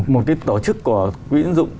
một cái tổ chức của quỹ tiến dụng